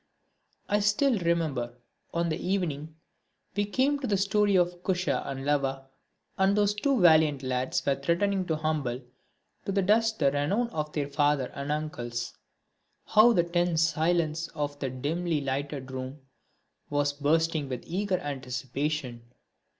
I still remember, on the evening we came to the story of Kusha and Lava, and those two valiant lads were threatening to humble to the dust the renown of their father and uncles, how the tense silence of that dimly lighted room was bursting with eager anticipation.